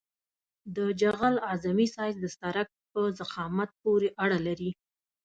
د جغل اعظمي سایز د سرک په ضخامت پورې اړه لري